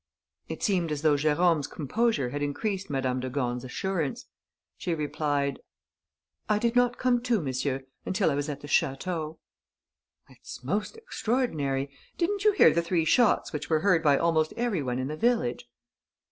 It seemed as though Jérôme's composure had increased Madame de Gorne's assurance. She replied: "I did not come to, monsieur, until I was at the château." "It's most extraordinary. Didn't you hear the three shots which were heard by almost every one in the village?"